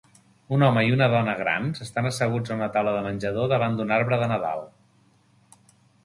Un home i una dona grans estan asseguts a una taula de menjador davant d'un arbre de Nadal.